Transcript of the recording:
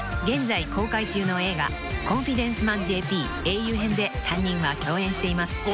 ［現在公開中の映画『コンフィデンスマンＪＰ英雄編』で３人は共演しています］